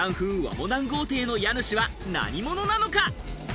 モダン豪邸の家主は何者なのか？